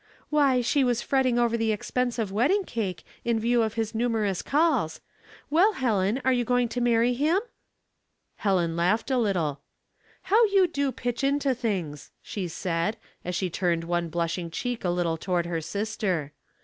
" Why, she was fretting over the expense of wedding cake, in view of his numerous calls. Well, Helen, are you going to marry him?" Helen laughed a little. " How you do pitch into things," she said, as she turned one blushing cheek a little to ward her sister.